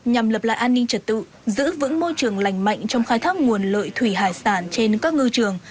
nhằm lập lại an ninh trật tự giữ vững môi trường lành mạnh trong khai thác nguồn lợi thủy hải sản trên các ngư trường